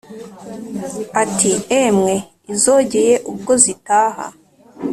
ati: ”emwe izogeye ubwo zitaha